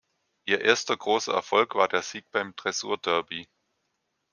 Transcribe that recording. Ihr erster großer Erfolg war der Sieg beim Dressur-Derby.